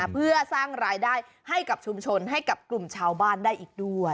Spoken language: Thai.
เพื่อสร้างรายได้ให้กับชุมชนให้กับกลุ่มชาวบ้านได้อีกด้วย